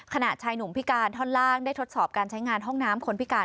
ชายหนุ่มพิการท่อนล่างได้ทดสอบการใช้งานห้องน้ำคนพิการ